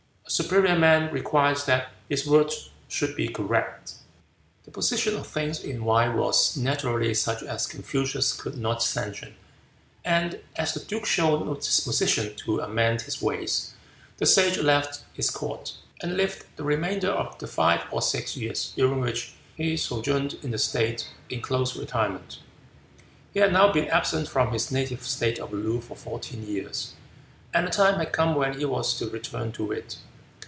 A superior man requires that his words should be correct." The position of things in Wei was naturally such as Confucius could not sanction, and, as the duke showed no disposition to amend his ways, the Sage left his court, and lived the remainder of the five or six years, during which he sojourned in the state, in close retirement. He had now been absent from his native state of Loo for fourteen years, and the time had come when he was to return to it.